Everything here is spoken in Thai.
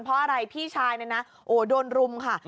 เพราะว่าพี่ชายเลยนะโอ๊ยโดนรุมค่ะ